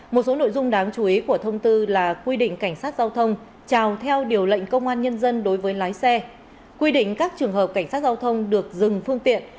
một số nội dung đáng chú ý của thông tư là quy định cảnh sát giao thông trào theo điều lệnh công an nhân dân đối với lái xe quy định các trường hợp cảnh sát giao thông được dừng phương tiện